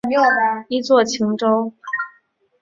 一作晴州。